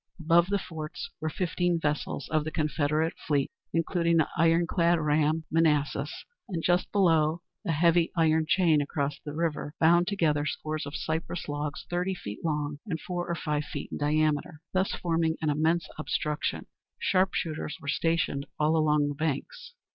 Above the forts were fifteen vessels of the Confederate fleet, including the ironclad ram, Manassas, and just below, a heavy iron chain across the river bound together scores of cypress logs thirty feet long, and four or five feet in diameter, thus forming an immense obstruction. Sharpshooters were stationed all along the banks.